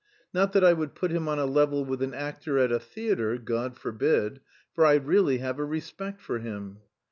Not that I would put him on a level with an actor at a theatre, God forbid, for I really have a respect for him.